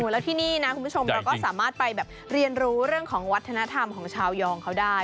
แล้วที่นี่นะคุณผู้ชมเราก็สามารถไปแบบเรียนรู้เรื่องของวัฒนธรรมของชาวยองเขาได้